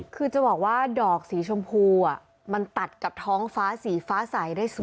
คือจะบอกว่าดอกสีชมพูมันตัดกับท้องฟ้าสีฟ้าใสได้สูง